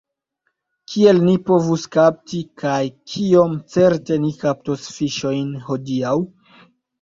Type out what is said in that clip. Kiel ni povus kapti, kaj kiom certe ni kaptos fiŝojn hodiaŭ?